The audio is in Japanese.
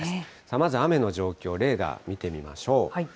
まず雨の状況、レーダー見てみましょう。